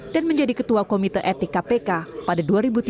dan menjadi ketua komite etik kpk pada dua ribu tiga belas